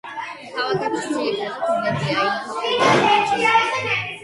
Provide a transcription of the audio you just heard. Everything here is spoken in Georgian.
ქალაქებში ძირითადი ენებია ინგლისური და პიჯინი.